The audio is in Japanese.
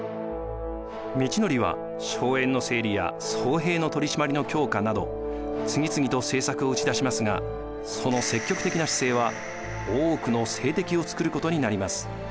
通憲は荘園の整理や僧兵の取り締まりの強化など次々と政策を打ち出しますがその積極的な姿勢は多くの政敵をつくることになります。